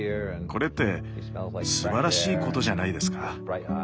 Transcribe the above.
これってすばらしいことじゃないですか。